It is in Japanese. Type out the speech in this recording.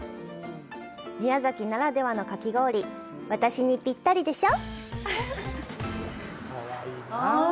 宮崎ならではのかき氷、私にぴったりでしょ。